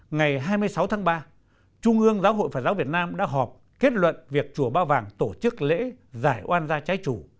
ngày hai mươi sáu tháng ba trung ương giáo hội phật giáo việt nam đã họp kết luận việc chùa ba vàng tổ chức lễ giải oan gia trái chủ